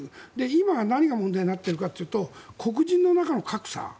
今は何が問題になっているかというと黒人の中の格差。